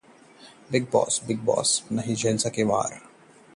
Bigg Boss: पीटने की धमकी देते रहे श्री, अखाड़े में नहीं झेल सके वार